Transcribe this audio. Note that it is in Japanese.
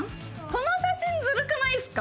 この写真ずるくないですか？